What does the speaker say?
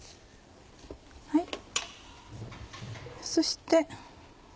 そして。